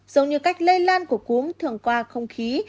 giống như cách lây lan của cuốn thường qua không khí